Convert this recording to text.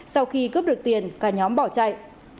sau khi cướp được tiền cả nhóm bỏ chạy